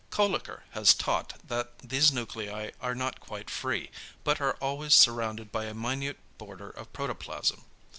Kölliker has taught that these nuclei are not quite free, but are always surrounded by a minute border of protoplasm.